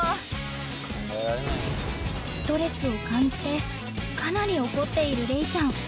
「ストレスを感じてかなり怒っているれいちゃん。